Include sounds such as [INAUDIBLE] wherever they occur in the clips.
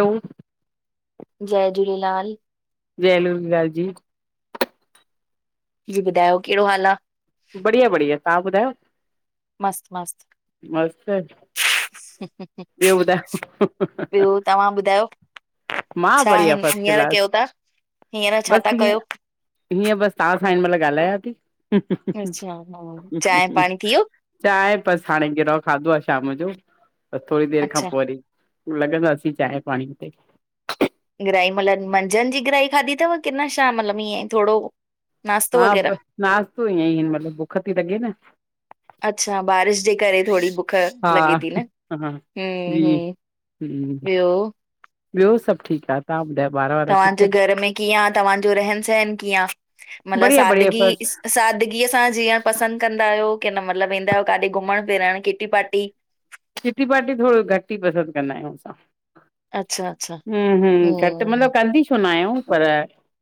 ऐं [UNINTELLIGIBLE] जय झूलेलाल। जय झूलेलाल जी। जी ॿुधायो केड़ो हाल आह? बढ़िया बढ़िया तत्हां ॿुधायो? मस्त मस्त। ॿयो ॿुधायो ॿियो तव्हां ॿुधायो मां छा बढ़िया हिन फस्ट हींअर क्लास कयो ता हींअर छा ता बसि ईअं कयो? हीअं बस तव्हां सां हिन मल ॻाल्हायां ती। अच्छा हम्म, चांहि पाणी थी वियो? चांहि बस हाणे गिरह खाधो आह शाम जो त थोरी देर खां अच्छा पो वरी। पो लॻंदा सीं चांहि पाणी ते ग्राही मतलब मंझंद जी ग्राहि खाधी तव की न शाम मतलब ईअं थोरो? हा बसि नाश्तो ईअं ई मतिलबु बुख त लॻे न अच्छा बारिश जे करे थोरी बु- बुख हा लॻे थी न हा हं जी -हं हम्म, ॿियो? ॿियो सभु ठीकु आहे। तव्हां ॿुधायो ॿार वार? ठीकु तव्हांजे आहिनि घर में कीअं तव्हांजो रहन सहन कीअं आ? मतिलबु बढ़िया बढ़िया सादगी बसि सादगीअ सां जीअण पसंदि कंदा आहियो की न मतलबु वेंदा आहियो किथे घुमण फिरण किटी पार्टी? किटी पार्टी थोरो घटि ई पसंदि कंदा आहियूं असां। अच्छा अच्छा हम हम घटि हम्म, मतलबु कंदी छो न आहियूं पर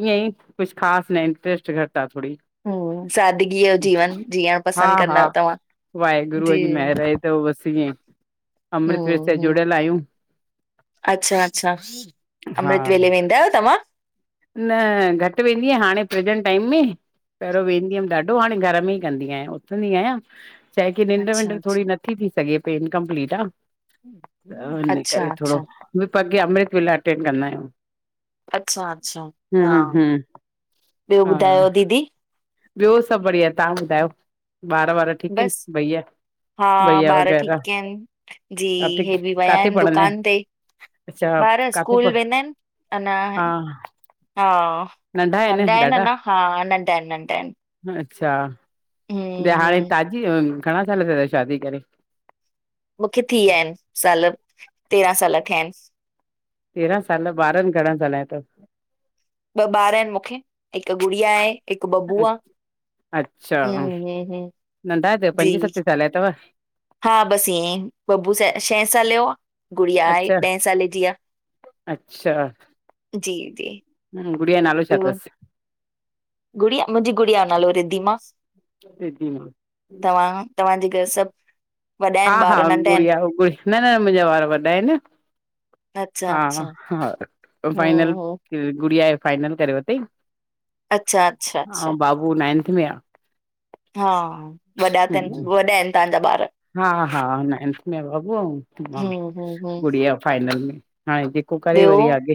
ईअं ई कुझु ख़ास न इंट्रस्ट घटि आहे थोड़ी। हम्म, सादगीअ जो जीवन जीअण हा पसंदि कंदा -हा आहियो तव्हां? वाहेगुरुअ जी महेर आहे। त बस ईएं अमृत वेल सां हम्म, हम्म, जुड़ियल आहियूं। अच्छा -अच्छा हा अमृतवेले वेंदा आहियो तव्हां? न घटि वेंदी आहियां हाणे प्रेजेंट टाइम में। पहिरियों वेंदी हुयमि ॾाढो हाणे घर में ई कंदी आहियां उथंदी आहियां। छाहेखे निंड अच्छा, विनिंड अच्छा। थोड़ी नथी थी सघे पई इनकंपलीट आहे। त हिन करे अच्छा, थोरो अच्छा, उहे पर अमृत वेला अटेंड कंदा आयूं। अच्छा -अच्छा हा। हम्म ॿियो हा ॿुधायो दीदी? ॿियो सभु बढ़िया तव्हां ॿुधायो ॿार वार ठीकु बस, आहिनि भइया? हा ॿार ठीक किहिनि जी काथे हे बि विया काथे आहिनि पढ़ंदा दुकान ते। अच्छा ॿार काथे स्कूल पढ़ वेंदा आहिनि अञा हा हा नंढा नंढ़ा आहिनि न ॾाढा न हा नंढ़ा आहिनि नंढ़ा आहिनि। अच्छा त हम्म, हाणे हम्म, ताज़ी घणा साल थिया अ शादी करे? मूंखे थी विया आहिनि साल तेरहां साल थिया आहिनि। तेरहां साल ॿारनि घणा ॻाल्हाइदो? ॿ ॿार आहिनि मूंखे हिकु गुड़िया आहे हिकु बबु अथव आहे। अच्छा नंढा अथव जी पंजे सत साले जा अथव? हा बसि ईएंं बबू स छहें साले जो आहे गुड़िया आहे अच्छा ॾहें साले जी आहे। अच्छा। जी -जी। हं गुड़िया जो नालो छा ॿियो अथस? गुड़िया मुंहिंजी गुड़िया जो नालो रीदिमा। रिदिमा। तव्हांजे घर सभु वॾा हा आहिनि हा ॿार नंढा आहिनि उगुड़िया उगुड़ी न न न मुंहिंजा वार वॾा आहिनि। अच्छा हा अच्छा -हा -हा ॿ फाइनल हम्म हम्म की गुड़िया जो फाइनल करे वतई अच्छा अच्छा अच्छा ऐं बाबू नाइंथ में आ। हा वॾा अथनि वॾा आहिनि तव्हांजा ॿार। हा -हा नाइन्थ में बबू ऐं हम्म हम्म हम्म गुड़िया फाइनल में। हाणे पक करे ॿियो वरी आगे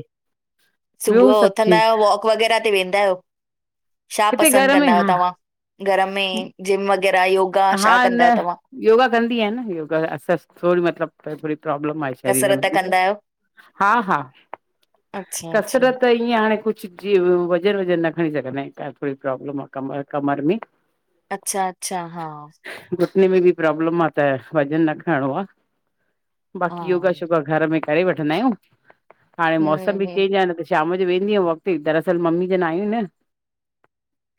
सुबुह ॿियो जो सभु उथंदा ठीक। आहियो वॉक वग़ैरह ते वेंदा आहियो? छा हिते पसंदि घर में कंदा आहियो हा तव्हां घर में जिम वग़ैरह योगा हा छा कंदा न आहियो तव्हां? योगा कंदी आहि न योगा असां थोरी मतलबु थोरी प्रॉब्लम आहे। शरीर कसरत में बि कंदा आहियो? हा हा अच्छा, अच्छा, कसरत ई ईअं हाणे कुछ जीअं वज़न वज़न न खणी सघंदायूं। कोई प्रोबलम आ कमर कमर मे? अच्छा-अच्छा हा। घुटने में बि प्रोब्लम आ। त वज़न न खइणो आ। हा, बाक़ी योगा हम्म, शोगा घर में करे वठंदा आहियूं हाणे मौसम बि हम्म, चेंज आ न शाम जो वेंदी हुअमि वोक़ ते, दरसल मम्मी जनि आहियूं इन।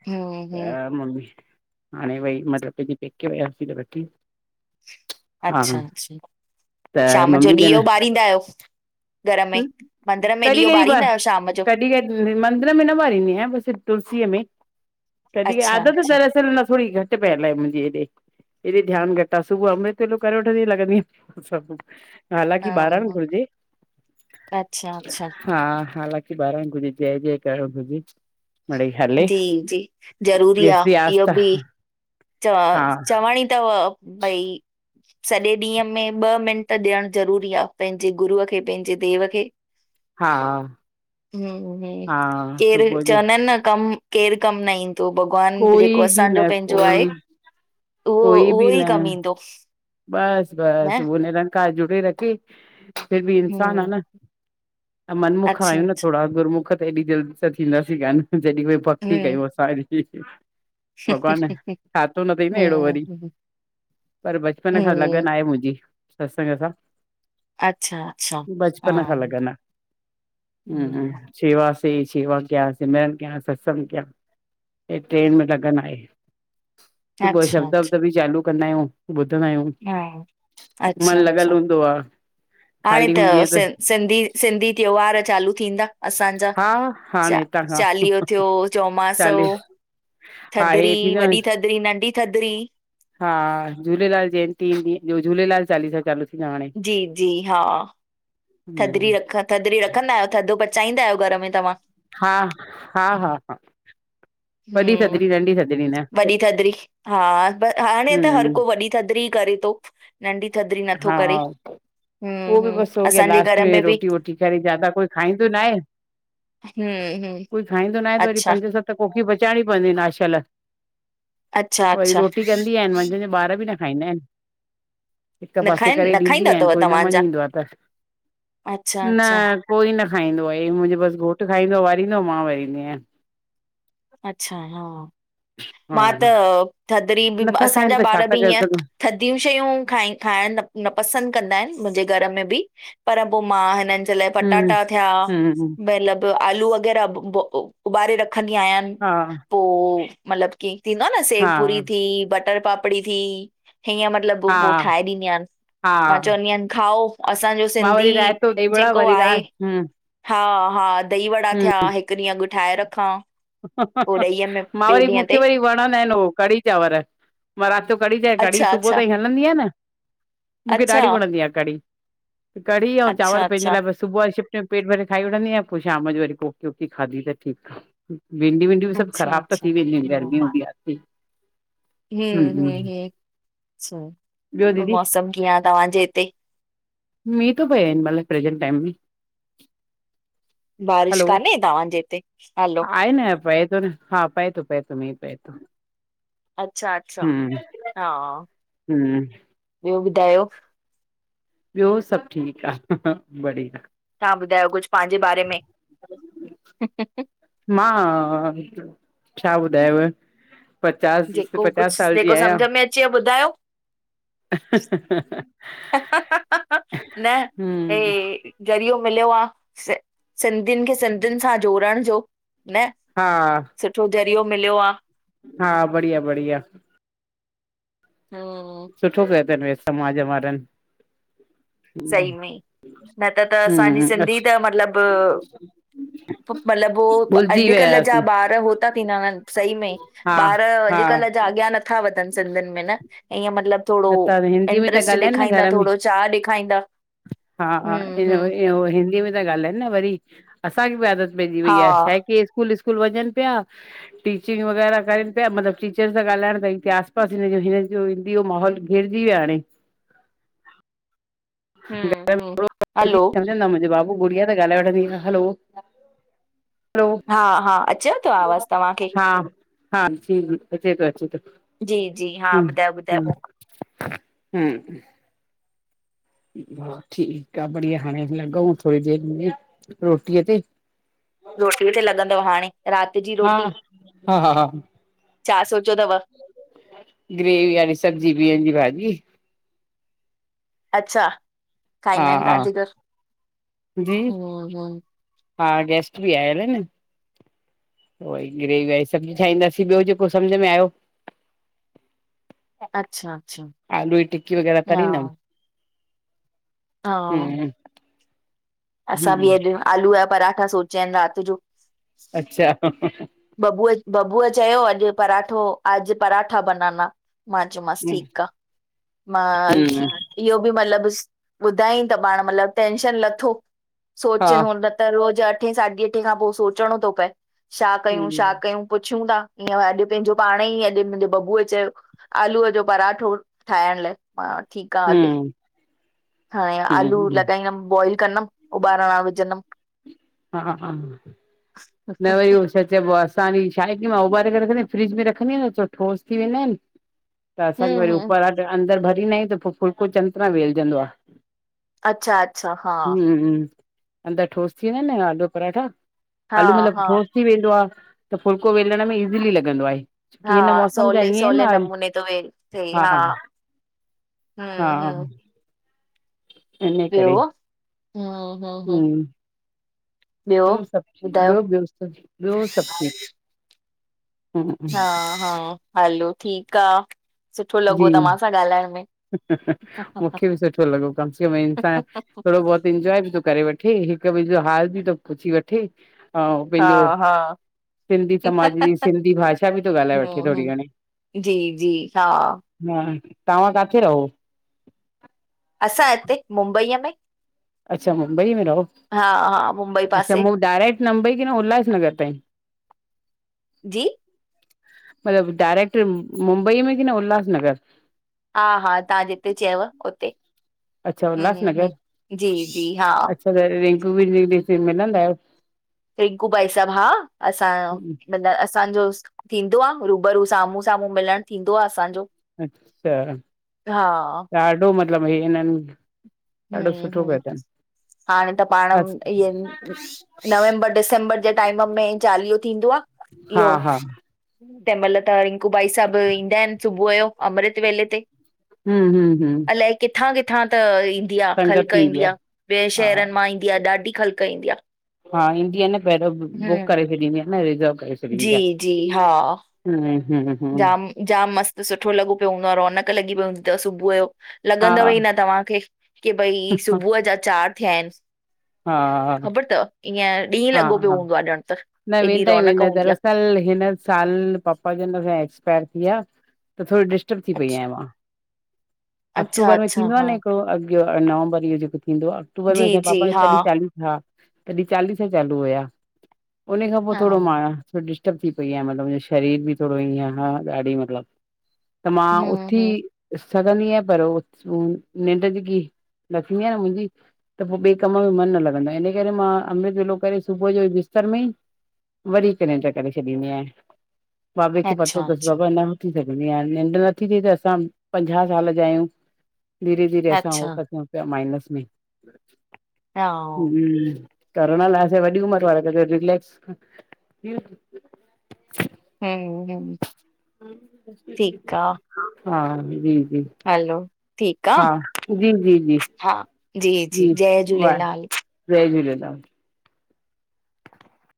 हम्म, त हम्म, मम्मी हाणे वई मतलब पंहिंजे पेके वयासीं त वठी हा अच्छा अच्छा त शाम जो मम्मी जन ॾीहो ॿारींदायो? घर में मंदिर में ॾीओ ॿारींदा आहियो शाम जो? ॾिए मंदिर में न ॿारींदी आहियां बस तुलसीअ में तॾहिं अच्छा, आदत अच्छा, दरसल न थोड़ी घटि पियल आ, मुंहिंजी हेॾे। एॾे ध्यानु घटि आ सुबुह अमृत वेलो करे वठंदीयां लॻंदी सभु हालांकि बारणि हा, घुरजे, अच्छा, अच्छा, हा हा बारणि घुरिजे, जे जे करण घुरिजे। मिड़ई हले जी जी ज़रूरी आ जेसिताईं इहो आस्था बि। च हा चवणी तव भई सॼे ॾींहं में ॿ मिंट ॾियण ज़रूरी आ, पंहिंजे गुरूअ खे पंहिंजे देव खे। हा ह ह हा केरु सुबुह जो चवंदा आहिनि न कम केरु कम न ईंदो भॻवान जेको कोई बि असांजो न पंहिंजो आहे कोई उहो उहो ई कमु ईंदो। बस, न बस उहो निरंकार जोडे रखे। फिर बि इंसानु आ हम्म न त मनमुख अच्छा आहियूं न अच्छा थोड़ा गुरमुख एॾी जल्दी त थींदासीं कान जॾहिं कोई भक्ति हम्म कयूं, असां ऐॾी। भॻवान ठातो न तई न अहिड़ो हम्म वरी हम्म पर ब उन खां हम्म, लगन आहे मुंहिंजी सत्संग सां। अच्छा अच्छा हा बचपन खां लॻन आ, हम्म शेवा से शेवा कियां, सिमरन कियां सत्संग कियां। हे टिंन में लगन आहे, सुबुअ अच्छा शब्द वब्द अच्छा भी चालू कंदा आहियूं। ॿुधंदा आहियूं, हा मन अच्छा लॻल अच्छा हूंदो आ। हाणे खाली त हूंदी आहियां सि सिंधी सिंधी त्योहार चालू थींदा। असांजा हा हाणे हितां खां चालीहो थियो चौमासो चालीह हा हे थधिड़ी थींदो न, वॾी थधिड़ी नंढी थधिड़ी। हा झूलेलाल जयंती ईदी, झूलेलाल चालीसा चालू थींदो हाणे जी जी हा। हम्म थधिड़ी रख थधिड़ी रखंदा आहियो, थधो पचाईंदा आहियो घर में तव्हां? हा, हा, हा, हा वॾी हम्म थधॾी नंढी थध वॾी थधिड़ी, हा हाणे त हर को हम्म वॾी थधिड़ी करे तो। नंढी थधड़ी नथो हा करे, उहो हम्म बि हम्म बसि हो गया, असांजे लास्ट घर में बि रोटी वोटी करे जादा कोई खाईंदो नाहे, हम्म हम्म कोई खाईंदो नाहे त वरी अच्छा पेंजे हिसाब त कोकी पचाईणीउ पवंदी आहिन आशयल, अच्छा वरी अच्छा रोटी कन दीआयांनि, मंझंदि जो ॿार बि न खाईंदा आहिनि। हिकु न पासे खाइनि करे न खाईंदा ॾींदीयांन अथव कोई न तव्हांजा मञींदो आ त, अच्छा न अच्छा कोई न खाईंदो आ, हे मुंहिंजो बसि घोटु खाईंदो आ वारींदो आ मां वारींदी आहियां। अच्छा, हा मां त हा थधड़ी बि नथा खाइनि असांजा त छा ॿार था बि करे ईीअं सघूं थधियूं शयूं खाइ खाइण न न पसंद कंदा आहिन मुंजे घर में बि। पर पो मां हिनन जे लाइ हम्म पटाटा थया हम्म मतलब आलू वग़ैरह उबारे रखंदी आहियां। हा पो मतलब की थींदो आ न हा सेव पूरी थी, बटर पापड़ी थी, हीअं म मतलब पो हा ठाहे ॾींदी आहियां हा मां चवंदीयां खाओ असांजो मां सिंधी वरी रायतो ॾही वड़ा जेको वरी रा आहे। हम्म हा-हा दही वड़ा थिया हिकु ॾींह अॻ ठाहे रखा। हा हा हा हा मा वरी मुखे ते वरी वणंदा आहिन उह कढ़ी चांवर। मा रात जो कढी चां कढ़ी अच्छा सुबुह अच्छा ताईं हलंदी आ न मुखे अच्छा ॾाढी वणंदी आ कढ़ी। कढ़ी और अच्छा, चांवर पंहिंजे अच्छा, लाइ बस। सुबुह जो शिफ्ट में पेट भरे खाई वठंदी आ पो शाम जो वरी कोकी खाधी त ठीक आ, भिंडी-विंडी डी सभ अच्छा, ख़राब त अच्छा, थी वेंदी हम्म, गर्मियूं बि आहे एतरी। ह ह अच्छा ॿियो पर दीदी मौसम कीअं तव्हांजे हिते? मी तो पै हिन मल, प्रेजेंट टाइम बि बारिश कान्हे तव्हांजे हिते हल? आहे न पई तो, न हा पाए तो, पै तो मी पै तो अच्छा-अच्छा, हा हम्म ॿियो ॿुधायो? ॿियो सभ ठीक आ, ह बढ़िया तव्हां ॿुधायो कुछ पांजे बारे में ह मा, छा ॿुधायाव? जेको कुछ जेको आहियां समझ में अचे ॿुधायो? ह ह ह ह न हम्म हे ज़रियो मिलियो आ, सिंधियुन खे सिंधियुन सां जोड़ण जो, न हा सुठो ज़रियो मिलियो आ। हा, बढ़िया-बढ़िया हम्म सुठो कयो थन समाज वारन सही में न त त असांजी हम्म सिंधी त मतलब मतलब हो भुलिजी अॼकल्ह जा वियासीं ॿार हो ता थीं ता वञें सही में हा ॿार हा अॼकल्ह जा अॻयां नथा वधन सिंधियुन में न ईअं मतलब। न त हिंदीअ में त ॻाल्हाइन न घर में चाह ॾेखारींदा हा हम्म हम्म इ ओ हिंदी में ॻाल्हाइन न वरी, असांखे बि आदत पइजी हा वई आ छा आहे की स्कूल व्कूल वञन पिया टीचिंग वग़ैरह करन पया मतलब टीचर सां ॻाल्हण भई आस-पास हिन्नजो हिंदी जो माहौल। गिरजी विया हाणे हम्म हम्म हलो सम्झंदा मुंहिंजे बाबू गुड़िया त ॻाल्हाए वठंदी, हलो हलो हा-हा अचेव तो आवाज़ तव्हांखे? हा हा जी-जी अचे थो अचे थो जी जी हा ह ॿुधायो ॿुधायो ह हम्म हा ठीक आ बढ़िया हाणे लगउ थोड़ी देर मे रोटीअ ते। रोटीअ ते लॻंदव हाणे रात जी हा रोटी हा हा छा सोचयो थव? ग्रेवी वारी सब्जी बिहन जी भाॼी। अच्छा हा खाईंदा आहिन हा तव्हांजे घरु जी ह ह - - हा गेस्ट बि आयल आहे न। पोइ वरी ग्रेवी वारी सब्जी ठाहींदासीं ॿियो जेको समझ में आयो। अच्छा अच्छा आलू ई टिक्की वग़ैरह हा तरिंदम। हा - हम्म - असां बि हम्म अॼु आलू पराठा सोचिया आहिन रात जो। अच्छा ह ह ह - - बबूअ बबूअ चयो अॼु पराठो आज पराठा बनाना। मा चयो मास ठीक आ। मा हल ठीक इहो बि मतलबु ॿुधाय त पाण मतलब टेंशन लथो। हा सोचियूं न त रोज अठे साढी अठे खां पोइ सोचणो थो पए। छा कयूं छा हम्म कयूं पुछूं था। ईअं अॼु पंहिंजो पाणे ई अॼु मुंहिंजे बबुअ चयो आलूअ जो पराठो ठाहिण लाइ। ह ठीक आहे हाली हम्म हाणे आलू हम्म लॻाईंदमि बॉइल। कंदम उॿारण ला विझंदम। हा हा न वयो इस्। छा चइबो असांजी छा आहे की मां उबारे करे रखंदीआहियां फ्रिज में रखंदीआहियां न तो ठोस थी वेंदा आहिन। त असांखे हम्म वरी हम्म उपराटि अंदरि भरींदा आहियूं त पोइ फुलको चङी तरह वेलजंदो आ। अच्छा अच्छा हा हम्म अंदर ठोस थी वेंदा आहिन न आलू पराठां। हा आलू मतिलबु हा ठोस थी वेंदो आहे त फुल्को वेलण में इजिली लॻंदो आ। छोकी हिन हा मौसम जा सवले हिएंं आहिनि न सवले आलू नमूने थो वे थिए हा हा। हा हम्म हम्म - - इन ॿियो करे हम्म ह ह। हम्म ॿियो सभु ॿुधायो ॿियो ॿियो ॿियो सभ ठीक। हा हा हलो ठीक आ सुठो लॻो जी तव्हां सां ॻाल्हाए। मूंखे बि सुठो लॻो कम से कम इसांन थोरो बहुत इंजॉय बि थो करे वठे। ठे हिक ॿिए जो हाल बि तो पुछी वठे। हाउ हा पंहिंजो हा सिंधी समाज जी सिंधी भाषा बि थो ॻाल्हाए वठे हम्म थोरी हम्म घणी। जी जी हा - - हा तव्हां काथे रहो। असां हिते मुंबईअ में। अच्छा मुंबई में रहो। हा हा मुंबई। अच्छा पासे मूं डायरक्ट मुंबई की न उल्हासनगर? जी - - मतलब डायरेक्ट मुंबईअ में की न उल्हासनगर? हा हा तव्हां जिते चयव उते अच्छा उल्हासनगर जी जी हा - - अच्छा त रिंकू बीर जी सां मिलंदा आहियो। रिंकू भाई साहब हा असां। आहियो मतिलब असांजो थींदो आहे रूबरू साम्हूं साम्हूं मिलण थींदो आहे असांजो। अच्छा हा ॾाढो मतलब हे हिनन। हम्म हम्म हाणे त पाण अच्छा इयं - - नवंबर डिसंबर जे टाइम में चालीहो थींदो आ हा इहो। हा तंहिं महिल त रिंकू भाई साहिब ईंदा आहिन सुबुह जो अमृत वेले ते। हम्म हम्म हम्म। अलाए किथां किथां त ईंदी आ संगत खल्क थींदी ईंदी आहे आ, ॿिये हा शहर मांं ईं ईंदी आ ॾाढी खल्क ईंदी आ। हा ईंदी आ न पहिरों बुक करे छॾींदी आ न रिजर्व करे छॾींदी जी आ। जी हा हम्म हम्म। हम्म जाम जाम मस्तु सुठो लॻो पियो हूंदो आ रौनक लॻी पई हूंदी तव सुबुह जो। लॻंदव हा ई न तव्हांखे की भाई सुबुह जा चार थिया आहिनि। हा खबर तव ईअं ॾींहुं हा लॻो पियो हा हूंदो आ ॼण त न एॾी वेंदा ई रोनक हूंदी आ। [UNINTELLIGIBLE] साल पपा जन असांजा एक्सपायर थी विया त थोरी डिस्टर्ब थी पई अछ आहियां मां। अच्छा अक्टूबर में अच्छा थींदो आ हा न हिकड़ो अगि नवंबर इहो जेको थींदो आ अक्टूबर में जी असांजे जी पापा हा तॾहिं हा तॾहिं चालीसा चालू हुया उन खां पो हा थोरो मां हम्म थोरी डिस्टर्ब थी पई आया मतलब मुंहिंजो शरीर बि थोरो हीअं हा ॾाढी मतलब। त मां उथी हम्म सधंनी आहियां पर उ उ निंड्र जेकी नथींदी आ न मुंहिंजी त पो ॿिऐ त मायो मन न लॻंदो आ इन करे मां अमृत वेलो करे सुबुह जो बिस्तर में ई वरी हिके निंड्र करे छॾींदी आहियां बाबे खे पतो अच्छा तस अच्छा बाबा इ सघंदी आहियां निंड्र नथी थिए त असां पंजाह साल जा आहियूं। धीरे धीरे असां अच्छा हो ता थियूं पिया माइनस में। हम्म करण लाइ असांजी वॾी उमिरि वारे त रिलेक्स हम्म ठीकु [UNINTELLIGIBLE] आहे हा जी हलो ठीकु आहे जी जी हा जी जी जय झूलेलाल। जय झूलेलाल।